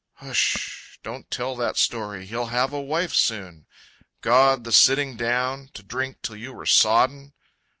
"H ssh, don't tell that story! He'll have a wife soon!" God! the sitting down To drink till you were sodden!...